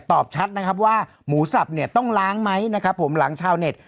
ตอบชัดนะครับว่าหมูสับเนี่ยต้องล้างไหมนะครับผมหลังชาวเน็ต